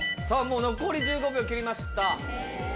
もう残り１５秒切りました。